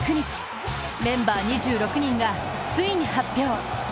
メンバー２６人がついに発表！